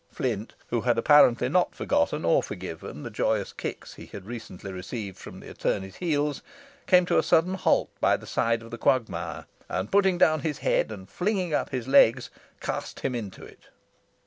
Flint, who had apparently not forgotten or forgiven the joyous kicks he had recently received from the attorney's heels, came to a sudden halt by the side of the quagmire, and, putting down his head, and flinging up his legs, cast him into it.